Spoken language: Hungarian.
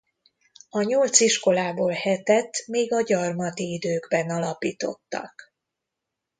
A nyolc iskolából hetet még a gyarmati időkben alapítottak.